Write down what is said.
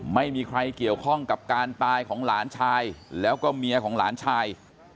ไม่มีใครเกี่ยวข้องกับการตายของหลานชายแล้วก็เมียของหลานชาย